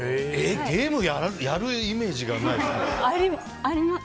ゲームをやるイメージはないですね。